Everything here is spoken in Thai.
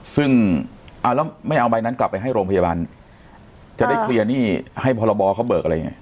ซึ่งเอาแล้วไม่เอาใบนั้นกลับไปให้โรงพยาบาลจะได้เคลียร์หนี้ให้พรบเขาเบิกอะไรยังไง